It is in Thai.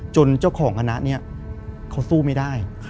เจ้าของคณะนี้เขาสู้ไม่ได้